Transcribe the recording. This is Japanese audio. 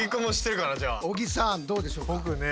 小木さんどうでしょうか？